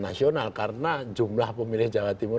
nasional karena jumlah pemilih jawa timur